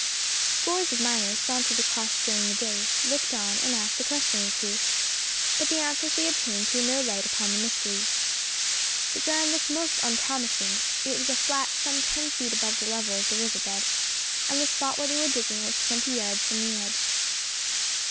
Scores of miners sauntered across during the day, looked on, and asked a question or two; but the answers they obtained threw no light upon the mystery. The ground looked most unpromising; it was a flat some ten feet above the level of the river bed, and the spot where they were digging was twenty yards from the edge.